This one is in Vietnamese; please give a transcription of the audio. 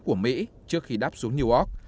của mỹ trước khi đắp xuống newark